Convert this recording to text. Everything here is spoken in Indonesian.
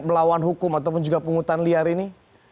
melawan hukum ataupun juga penghutan liar ini